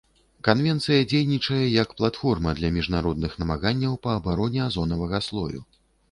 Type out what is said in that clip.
Канвенцыя дзейнічае як платформа для міжнародных намаганняў па абароне азонавага слою.